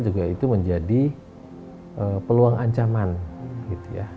dan kemudian juga perusahaan yang dihadapi masyarakat adat di indonesia